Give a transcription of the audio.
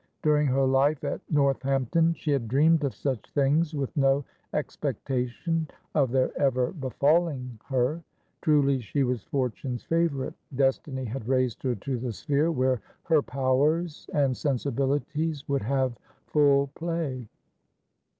During her life at Northampton, she had dreamed of such things, with no expectation of their ever befalling her. Truly, she was fortune's favourite. Destiny had raised her to the sphere where her powers and sensibilities would have full play.